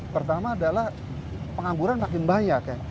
pertama adalah pengangguran makin banyak